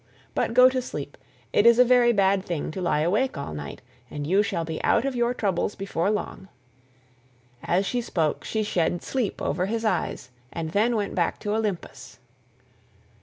But go to sleep; it is a very bad thing to lie awake all night, and you shall be out of your troubles before long." As she spoke she shed sleep over his eyes, and then went back to Olympus.